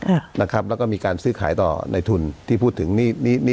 อ่านะครับแล้วก็มีการซื้อขายต่อในทุนที่พูดถึงนี่นี่